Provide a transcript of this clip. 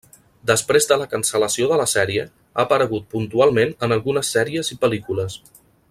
Després de la cancel·lació de la sèrie, ha aparegut puntualment en algunes sèries i pel·lícules.